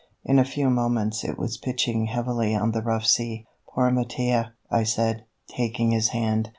In a few moments it was pitching heavily on the rough sea. "Poor Mattia," I said, taking his hand.